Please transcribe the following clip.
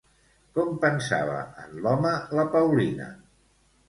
Com pensava en l'home la Paulina?